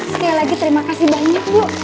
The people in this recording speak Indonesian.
sekali lagi terima kasih banyak bu